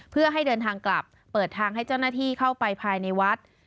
เพื่อให้เดินทางกลับเปิดทางให้เจ้าหน้าที่เข้าไปภายในวัด